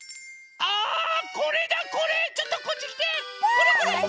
これこれ！